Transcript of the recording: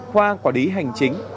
khoa quả lý hành chính